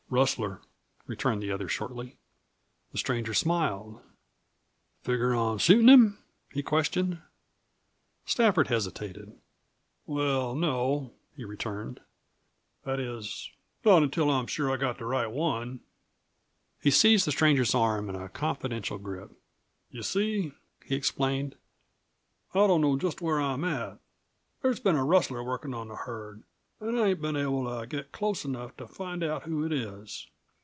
"Rustler," returned the other shortly. The stranger smiled. "Figger on shootin' him?" he questioned. Stafford hesitated. "Well, no," he returned. "That is, not until I'm sure I've got the right one." He seized the stranger's arm in a confidential grip. "You see," he explained, "I don't know just where I'm at. There's been a rustler workin' on the herd, an' I ain't been able to get close enough to find out who it is.